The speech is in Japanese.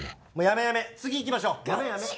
やめやめ次行きましょう。